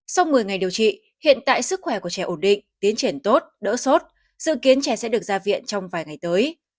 sau một mươi ngày điều trị hiện tại sức khỏe của trẻ ổn định tiến triển tốt đỡ sốt dự kiến trẻ sẽ được ra viện trong vài ngày tới